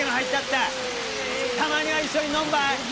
たまには一緒に飲むばい！